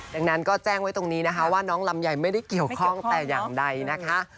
ดังนั้นก็แจ้งไว้ตรงนี้นะคะว่าน้องลำไยไม่ได้เกี่ยวข้องแต่อย่างใดนะคะ